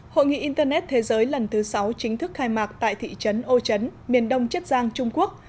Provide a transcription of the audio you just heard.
hội nghị internet thế giới lần thứ sáu chính thức khai mạc tại thị trấn ô chấn miền đông chất giang trung quốc